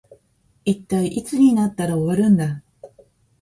一体いつになったら終わるんだ